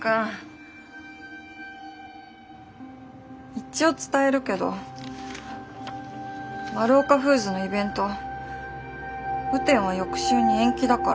一応伝えるけどマルオカフーズのイベント雨天は翌週に延期だから。